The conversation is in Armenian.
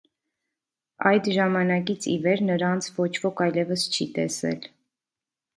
Այդ ժամանակից ի վեր նրանց ոչ ոք այլևս չի տեսել։